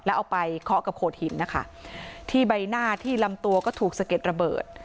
แล้วเอาไปเคาะกับโขดหินนะคะที่ใบหน้าที่ลำตัวก็ถูกสะเก็ดระเบิด